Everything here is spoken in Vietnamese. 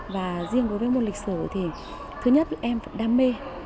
và riêng đối với môn lịch sử thì thứ nhất em đam mê